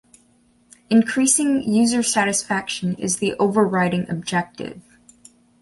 Increasing user satisfaction is the overriding objective.